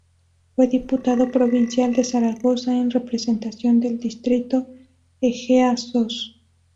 Fue Diputado Provincial de Zaragoza en representación del distrito Ejea-Sos.